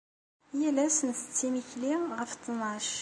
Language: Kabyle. Yal ass nttett imekli ɣef ttnac.